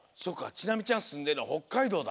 ちなみちゃんすんでるのほっかいどうだ。